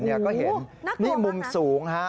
นี่ก็เห็นนี่มุมสูงฮะ